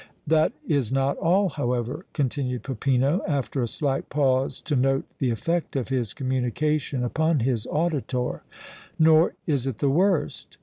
"That is not all, however," continued Peppino, after a slight pause to note the effect of his communication upon his auditor, "nor is it the worst!